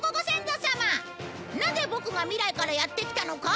なぜボクが未来からやって来たのか？